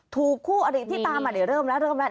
ถูกคู่อริขี่รถจักรยานยนต์ตามมาเดี๋ยวเริ่มแล้วเริ่มแล้ว